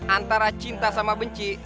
antara cinta sama benci